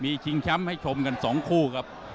มีชิงแชมป์ให้ชมกัน๒คู่ครับ